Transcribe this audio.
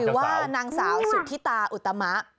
ว่านางสาวสุธิตาอุตมะ